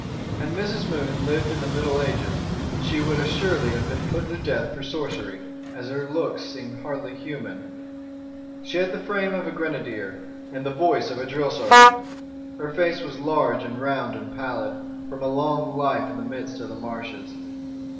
Had Mrs. Moon lived in the Middle Ages, she would assuredly have been put to death for sorcery, as her looks seemed hardly human. She had the frame of a grenadier and the voice of a drill sergeant. Her face was large and round and pallid, from a long life in the midst of the marshes.